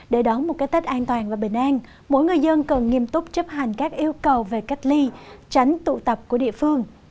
để đón một cái tết an toàn và bình an mỗi người dân cần nghiêm túc chấp hành các yêu cầu về cách ly tránh tụ tập của địa phương